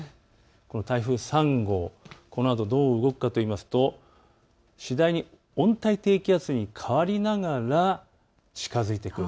この台風３号、このあと、どう動くかといいますと次第に温帯低気圧に変わりながら近づいてくる。